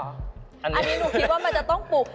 อันนี้หนูคิดว่ามันจะต้องปลุก